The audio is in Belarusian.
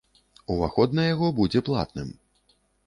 Уваход на яго будзе платным.